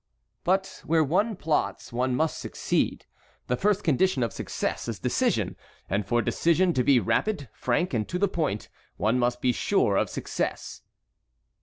"But where one plots one must succeed. The first condition of success is decision; and for decision to be rapid, frank, and to the point, one must be sure of success."